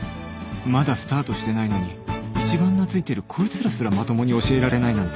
まだスタートしてないのに一番懐いてるこいつらすらまともに教えられないなんて